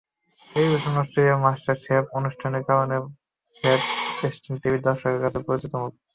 টেলিভিশনে Australian master chef অনুষ্ঠানের কারণে ম্যাট প্রেস্টন টিভি দর্শকদের কাছে পরিচিত মুখ।